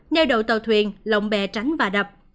nêu đầu tàu thuyền lồng bè tránh và đập